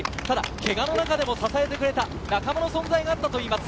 けがの中でも支えてくれた仲間の存在があったといいます。